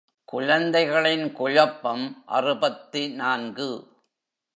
குழந்தைகளின் குழப்பம் அறுபத்து நான்கு.